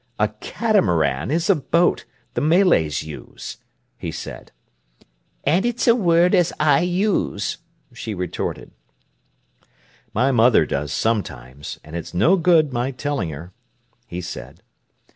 "A catamaran is a boat the Malays use," he said. "And it's a word as I use," she retorted. "My mother does sometimes, and it's no good my telling her," he said.